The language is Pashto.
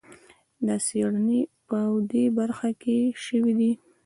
دا څېړنې په دې برخه کې شوي دي.